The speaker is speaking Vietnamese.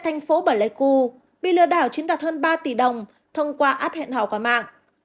thành phố bả lê cu bị lừa đảo chiến đoạt hơn ba tỷ đồng thông qua app hẹn hò qua mạng